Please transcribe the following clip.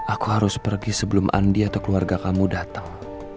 aku harus pergi sebelum andi atau keluarga kamu datang